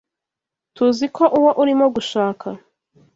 TUZI ko uwo urimo gushaka.